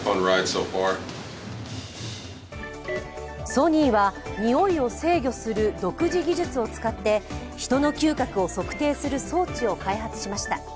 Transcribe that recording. ソニーは、においを制御する独自技術を使って人の嗅覚を測定する装置を開発しました。